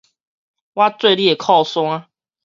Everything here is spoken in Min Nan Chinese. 我做你的靠山